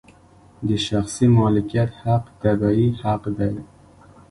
د شخصي مالکیت حق طبیعي حق دی.